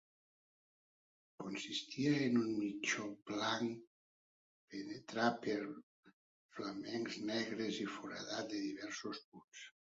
Consistia en un mitjó blanc penetrat per filaments negres i foradat en diversos punts.